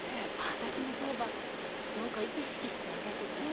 私もそういえば何か意識して上げてた。